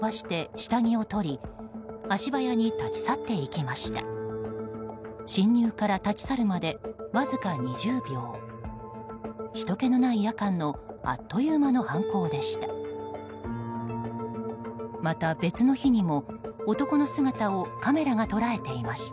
ひとけのない夜間のあっという間の犯行でした。